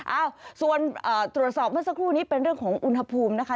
เอ้าส่วนตรวจสอบเมื่อสักครู่นี้เป็นเรื่องของอุณหภูมินะคะ